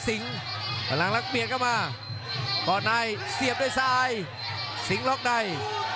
พลังลักษณ์เบียดเข้ามาก่อนในเสียบด้วยซ้ายสิงห์ล็อกใน